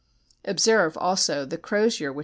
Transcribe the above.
Observe also the crozier which S.